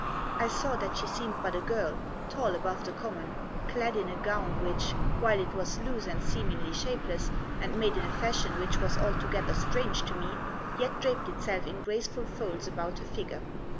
I saw that she seemed but a girl, tall above the common, clad in a gown which, while it was loose and seemingly shapeless, and made in a fashion which was altogether strange to me, yet draped itself in graceful folds about her figure.